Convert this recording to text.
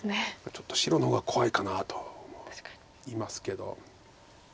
ちょっと白の方が怖いかなと見ますけど。